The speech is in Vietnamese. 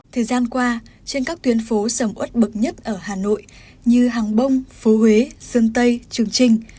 thời gian qua trên các tuyến phố sầm ớt bậc nhất ở hà nội như hàng bông phố huế sơn tây trường trinh